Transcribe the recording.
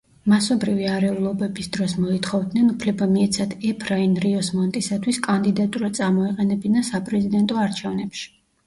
მასობრივი არეულობების დროს მოითხოვდნენ უფლება მიეცათ ეფრაინ რიოს მონტისათვის კანდიდატურა წამოეყენებინა საპრეზიდენტო არჩევნებში.